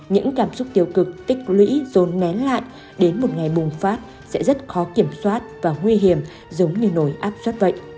những cảm xúc tiêu cực tích lũy dồn nén lại đến một ngày bùng phát sẽ rất khó kiểm soát và nguy hiểm giống như nồi áp soát vậy